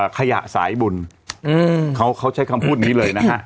ขยะสายบุญเขาใช้คำพูดนี้เลยนะฮะ